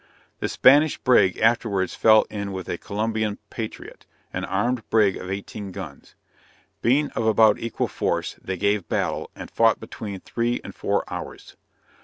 The Spanish brig afterwards fell in with a Columbian Patriot, an armed brig of eighteen guns. Being of about equal force, they gave battle, and fought between three and four hours.